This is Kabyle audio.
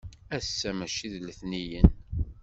Ass-a maci d letniyen.